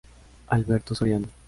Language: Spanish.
Alberto Soriano.